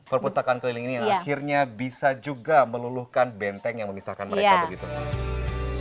perpustakaan keliling ini yang akhirnya bisa juga meluluhkan benteng yang memisahkan mereka begitu